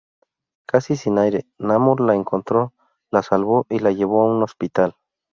Casi sin aire, Namor la encontró, la salvó y la llevó a un hospital.